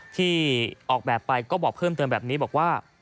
ที่ออกแบบไปก็บอกเพิ่มเติมแบบนี้บอกว่า